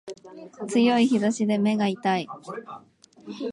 強い日差しで目が痛い